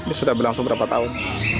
ini sudah berlangsung berapa tahun